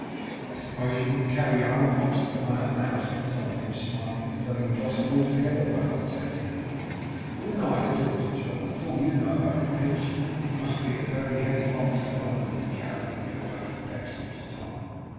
'I suppose you wouldn't carry your own box to the mail now?' said Tom Pinch, smiling; 'although you lost it altogether by not taking it.' 'Wouldn't I?' retorted John. 'That's all you know about it, Pinch. It must be a very heavy box that I wouldn't carry to get away from Pecksniff's, Tom.